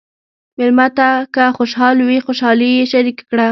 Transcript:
مېلمه ته که خوشحال وي، خوشالي یې شریکه کړه.